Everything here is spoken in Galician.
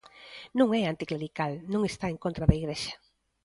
Non é anticlerical, non está en contra da Igrexa.